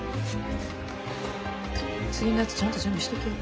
次のやつちゃんと準備しときや。